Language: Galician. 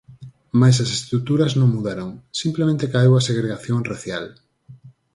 Mais as estruturas non mudaron, simplemente caeu a segregación racial.